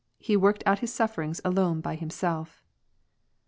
He worked out his sufferings alone by himself.